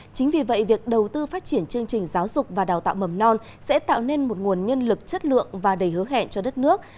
chính vì vậy việc đầu tư phát triển chương trình giáo dục và đào tạo mầm non sẽ tạo nên một nguồn nhân lực chất lượng và đầy hứa hẹn cho đất nước